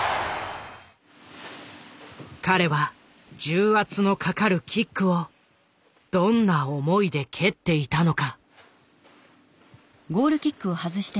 彼は重圧のかかるキックをどんな思いで蹴っていたのか。